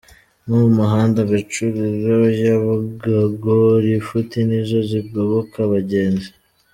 Ku muhanda Gacuriro-Nyabugogo lifuti ni zo zigoboka abagenzi